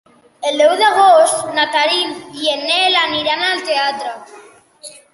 El deu d'agost na Tanit i en Nel aniran al teatre.